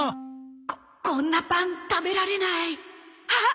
ここんなパン食べられないハッ！